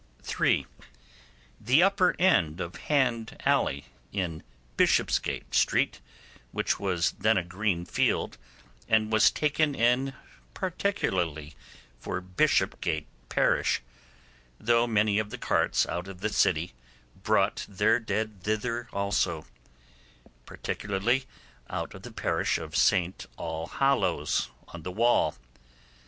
(3) The upper end of Hand Alley, in Bishopsgate Street, which was then a green field, and was taken in particularly for Bishopsgate parish, though many of the carts out of the city brought their dead thither also, particularly out of the parish of St All hallows on the Wall.